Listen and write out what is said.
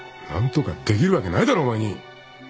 何とかできるわけないだろお前に。